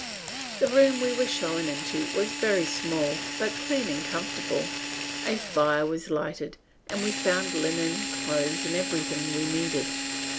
The room we were shown into was very small, but clean and comfortable; a fire was lighted, and we found linen, clothes, and everything we needed.